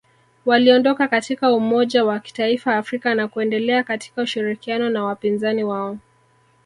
Waliondoka katika umoja wa kitaifa Afrika na kuendelea katika ushirikiano na wapinzani wao